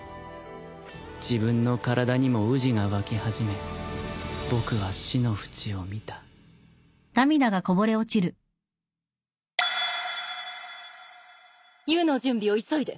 自分の体にもうじが湧き始め僕は死の淵を見た湯の準備を急いで。